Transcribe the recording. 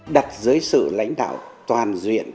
đặt dưới sự lãnh đạo toàn duyện